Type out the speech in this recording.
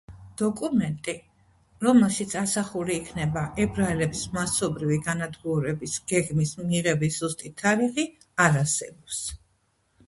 დოკუმენტი, რომელშიც ასახული იქნება ებრაელების მასობრივი განადგურების გეგმის მიღების ზუსტი თარიღი, არ არსებობს.